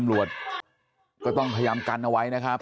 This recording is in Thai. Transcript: น้าสาวของน้าผู้ต้องหาเป็นยังไงไปดูนะครับ